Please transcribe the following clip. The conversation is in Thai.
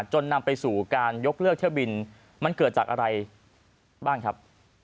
นำไปสู่การยกเลิกเที่ยวบินมันเกิดจากอะไรบ้างครับ